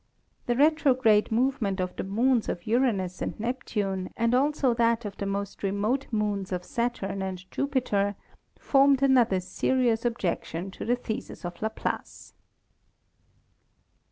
The retrograde movement of the moons of Uranus and Neptune and also that of the most remote moons of Saturn and Jupiter formed another serious ob jection to the thesis of Laplace.